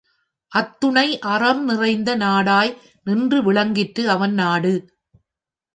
அத்துணை அறம் நிறைந்த நாடாய் நின்று விளங்கிற்று அவன் நாடு.